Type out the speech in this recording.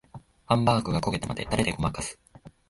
ハンバーグが焦げたのでタレでごまかす